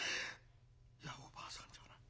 いやおばあさんじゃない。